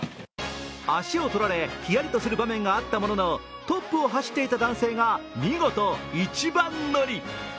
足をとられひやりとする場面もあったもののトップを走っていた男性が見事、一番乗り。